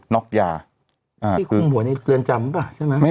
น็อกยาคือคุณผู้หัวนี้เตือนจำป่ะใช่ไหม